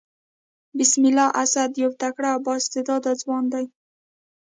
بسم الله اسد يو تکړه او با استعداده ځوان دئ.